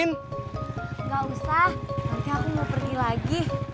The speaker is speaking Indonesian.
tidak usah nanti aku mau pergi lagi